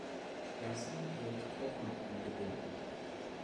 Klassen wird Kochen angeboten.